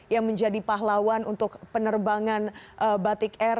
yang menjadi pahlawan untuk penerbangan batik air